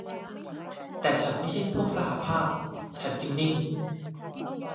แต่ฉันไม่ใช่พวกสหภาพ ฉันจึงนิ่ง